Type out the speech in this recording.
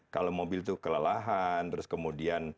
kalau mobil itu kelelahan terus kemudian